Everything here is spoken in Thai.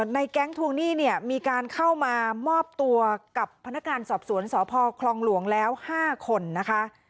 แก๊งทวงหนี้เนี่ยมีการเข้ามามอบตัวกับพนักงานสอบสวนสพคลองหลวงแล้ว๕คนนะคะ